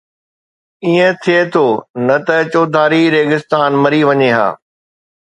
ائين ٿئي ٿو، نه ته چوڌاري ريگستان مري وڃي ها